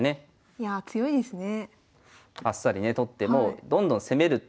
いやあ強いですね。